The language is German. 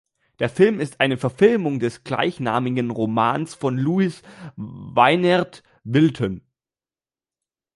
Der Film ist eine Verfilmung des gleichnamigen Romans von Louis Weinert-Wilton.